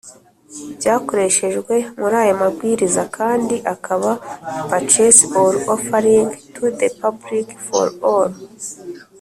byakoreshejwe muri aya mabwiriza kandi akaba purchase or offering to the public for all